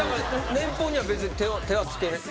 年俸には別に手はつけなくても？